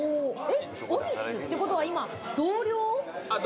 オフィスってことは同僚？